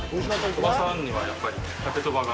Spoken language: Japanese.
鳥羽さんには、やっぱり鮭トバが。